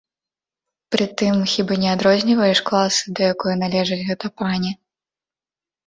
Прытым, хіба не адрозніваеш класы, да якое належыць гэта пані?